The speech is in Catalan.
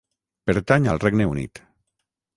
Pertany al Regne Unit.